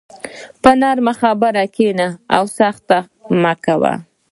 په نرمه خبره کښېنه، سختي مه کوه.